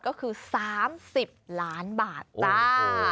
ก็คือ๓๐ล้านบาทจ้า